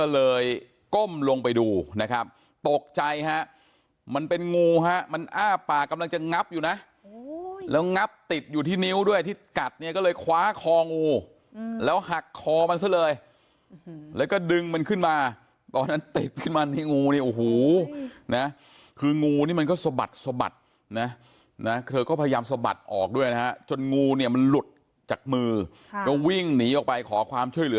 ก็เลยก้มลงไปดูนะครับตกใจฮะมันเป็นงูฮะมันอ้าปากกำลังจะงับอยู่นะแล้วงับติดอยู่ที่นิ้วด้วยที่กัดเนี่ยก็เลยคว้าคองูแล้วหักคอมันซะเลยแล้วก็ดึงมันขึ้นมาตอนนั้นติดขึ้นมาในงูเนี่ยโอ้โหนะคืองูนี่มันก็สะบัดสะบัดนะนะเธอก็พยายามสะบัดออกด้วยนะฮะจนงูเนี่ยมันหลุดจากมือก็วิ่งหนีออกไปขอความช่วยเหลือ